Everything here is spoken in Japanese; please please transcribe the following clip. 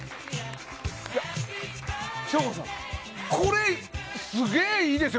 省吾さん、これすげえいいですよ。